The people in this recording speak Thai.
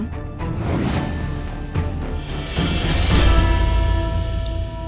เสียใจ